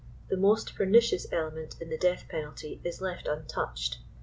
The most per nicious element in the death penalty is left untouched.